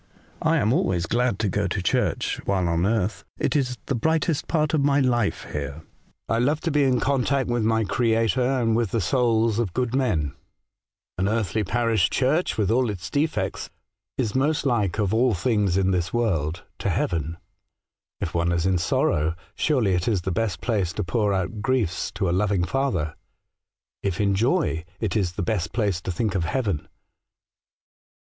I always am glad to go to church while on earth ; it is the brightest part of my life here. I love to be in contact with my Creator and with the souls of good men. An earthly 48 A Voyage to Other Worlds. parish churcli, with all its defects, is most like of all things in this world to heaven. If one is in sorrow, surely it is the best place to pour our griefs to a loving Father ; if in joy, it is the best place to think of heaven.'